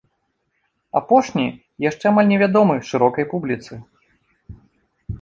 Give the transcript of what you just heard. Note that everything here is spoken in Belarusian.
Апошні яшчэ амаль невядомы шырокай публіцы.